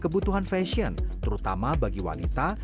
kebutuhan fashion terutama bagi wanita